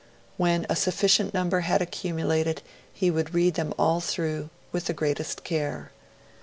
When a sufficient number had accumulated he would read them all through, with the greatest care.